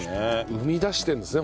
生み出してるんですね